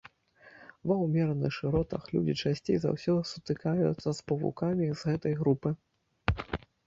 Ва ўмераных шыротах людзі часцей за ўсё сутыкаюцца з павукамі з гэтай групы.